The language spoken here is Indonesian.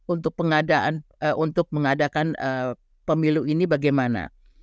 untuk mengadakan pemilu ini bagaimana